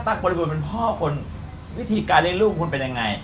ถ้าตักบริปุ่นเป็นพ่อคุณวิธีการเล่นลูกคุณเป็นยังไง